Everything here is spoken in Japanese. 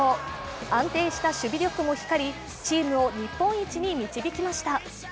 安定した守備力も光りチームを日本一に導きました。